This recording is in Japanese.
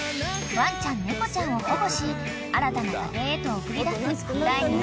［ワンちゃん猫ちゃんを保護し新たな家庭へと送り出す第２のさかがみ家］